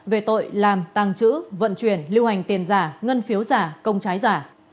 về tội làm tàng trữ vận chuyển lưu hành tiền giả ngân phiếu giả công trái giả